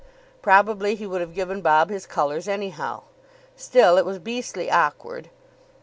Probably he would have given Bob his colours anyhow. Still, it was beastly awkward.